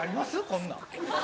こんなん。